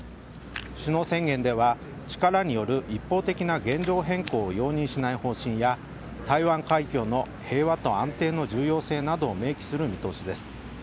首脳宣言では力による一方的な現状変更を容認しない方針や台湾海峡の平和と安定の重要性などを明記する見通しです。